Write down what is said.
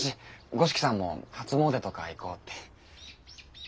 五色さんも初詣とか行こうって。